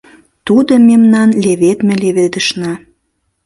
Тудо мемнан леведме леведышна.